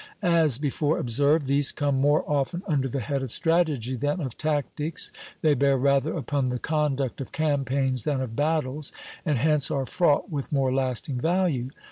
As before observed, these come more often under the head of strategy than of tactics; they bear rather upon the conduct of campaigns than of battles, and hence are fraught with more lasting value.